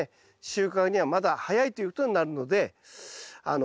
収穫にはまだ早いということになるので気をつけて下さい。